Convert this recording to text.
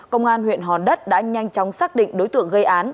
công an huyện hòn đất đã nhanh chóng xác định đối tượng gây án